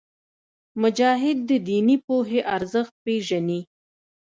مجاهد د دیني پوهې ارزښت پېژني.